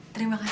terima kasih ya